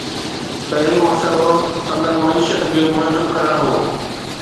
پهريون مسئلو سندن معيشت کي منظم ڪرڻ هو.